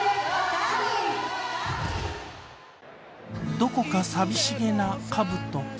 どこか寂しげな、かぶと。